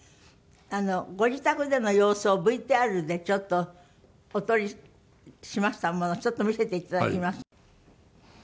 ご自宅での様子をＶＴＲでちょっとお撮りしましたものをちょっと見せていただきます。